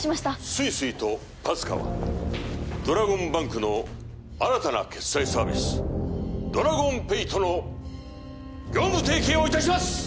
ＳＵＩＳＵＩとＰＡＳＣＡはドラゴンバンクの新たな決済サービスドラゴンペイとの業務提携をいたします！